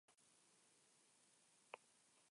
El dígrafo Ll no se usa.